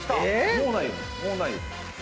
もうないよ。